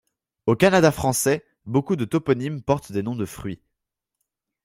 Au Canada français, beaucoup de toponymes portent des noms de fruits.